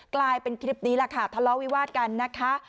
กลายเป็นคลิปนี้แหละค่ะทะเลาะวิวาดกันนะคะ